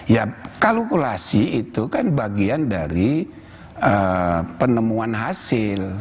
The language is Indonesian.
ya kalkulasi itu kan bagian dari penemuan hasil